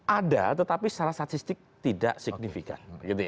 ada tetapi secara statistik tidak signifikan